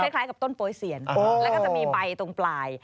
คล้ายกับต้นโป๊เซียนแล้วก็จะมีใบตรงปลาย